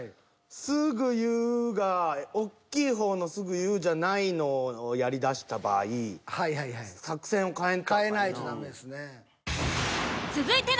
「すぐ言う」がおっきい方の「すぐ言う」じゃないのをやりだした場合作戦を変えんとあかんな。